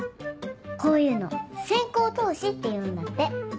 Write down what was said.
こういうの先行投資っていうんだって。